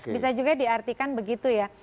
bisa juga diartikan begitu ya